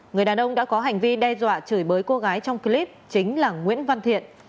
người đàn ông đã có hành vi đe dọa chửi bới cô gái trong clip chính là nguyễn văn thiện